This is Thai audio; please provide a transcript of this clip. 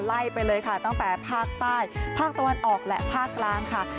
ไล่ไปเลยค่ะตั้งแต่ภาคใต้ภาคตะวันออกและภาคกลางค่ะ